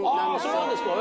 そうなんですか。